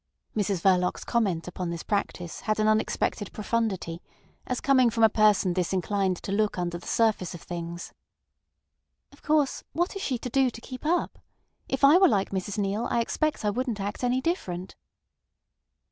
Mrs Verloc's comment upon this practice had an unexpected profundity, as coming from a person disinclined to look under the surface of things. "Of course, what is she to do to keep up? If I were like Mrs Neale I expect I wouldn't act any different."